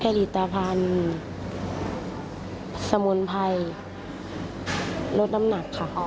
ผลิตภัณฑ์สมุนไพรลดน้ำหนักค่ะ